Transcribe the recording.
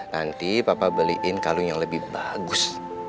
nanti papa beliin kalung yang lebih bagus